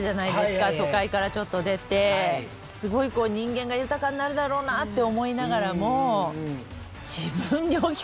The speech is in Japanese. すごい人間が豊かになるだろうなって思いながらも。